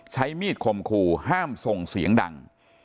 ใช้มีดคมคู่ห้ามส่งเสียงดัง